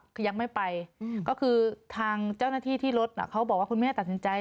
คือยังไม่ไปก็คือทางเจ้าหน้าที่ที่รถเขาบอกว่าคุณแม่ตัดสินใจ